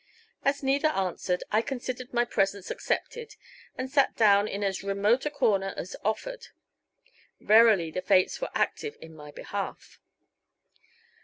As neither answered, I considered my presence accepted and sat down in as remote a corner as offered. Verily the fates were active in my behalf.